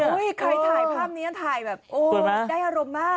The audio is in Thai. ใครถ่ายภาพนี้ถ่ายแบบโอ้ได้อารมณ์มาก